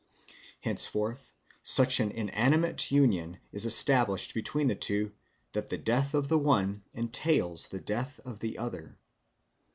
Henceforth such an intimate union is established between the two that the death of the one entails the death of the other.